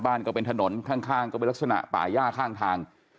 ก็เป็นถนนข้างก็เป็นลักษณะป่าย่าข้างทาง